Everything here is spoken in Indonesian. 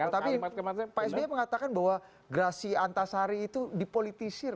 tapi pak s b mengatakan bahwa grasy antasari itu dipolitisir